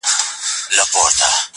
يار ژوند او هغه سره خنـديږي.